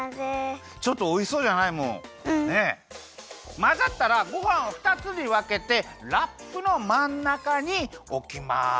まざったらごはんをふたつにわけてラップのまんなかにおきます！